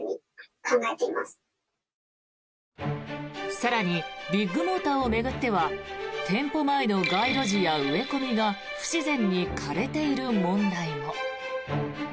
更に、ビッグモーターを巡っては店舗前の街路樹や植え込みが不自然に枯れている問題も。